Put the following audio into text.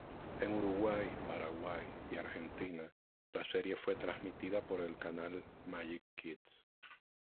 En Uruguay, Paraguay y Argentina la serie fue transmitida por el canal Magic Kids.